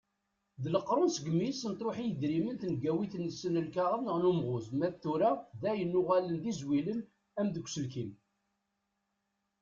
D leqrun segmi i sen-truḥ i yedrimen tengawit-nsen n lkaɣeḍ neɣ n umɣuz. Ma d tura dayen uɣalen d izwilen am deg uselkim.